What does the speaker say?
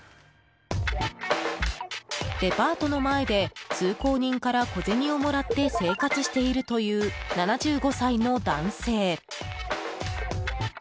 デパートの前で通行人から小銭をもらって生活しているという７５歳の男性。